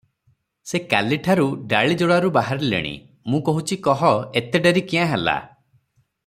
ସେ କାଲିଠାରୁ ଡାଳିଯୋଡ଼ାରୁ ବାହାରିଲେଣି, ମୁଁ କହୁଛି କହ, ଏତେ ଡେରି କ୍ୟାଁ ହେଲା?